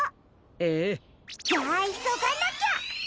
ええ。じゃあいそがなきゃ！